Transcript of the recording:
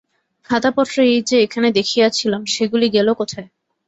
খাতাপত্র এই যে এখানে দেখিয়াছিলাম, সেগুলি গেল কোথায়।